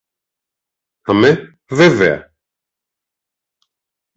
Αμέ βέβαια!